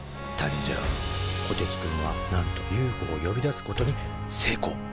こてつくんはなんとＵＦＯを呼び出すことに成功！